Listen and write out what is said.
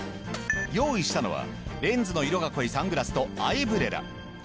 用意したのはレンズの色が濃いサングラスとアイブレラ。